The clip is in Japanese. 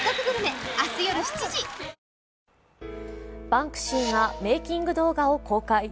バンクシーがメーキング動画を公開。